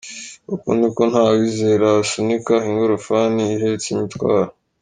Uku ni ko Ntawizera asunika ingorofani ihetse imitwaro.